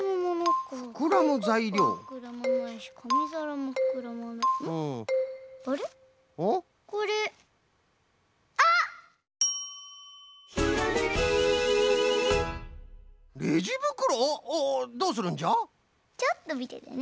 ちょっとみててね。